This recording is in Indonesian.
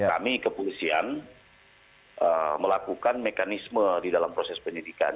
kami kepolisian melakukan mekanisme di dalam proses penyidikan